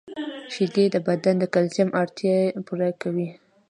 • شیدې د بدن د کلسیم اړتیا پوره کوي.